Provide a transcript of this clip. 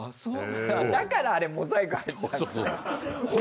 だからあれモザイク入ってたんですね。